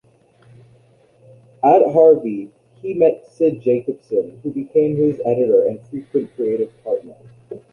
At Harvey, he met Sid Jacobson, who became his editor and frequent creative partner.